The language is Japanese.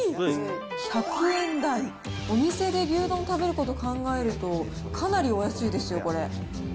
１００円台、お店で牛丼食べること考えると、かなりお安いですよ、これ。